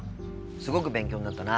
すごく勉強になったな。